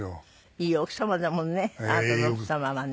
いい奥様だものねあなたの奥様はね。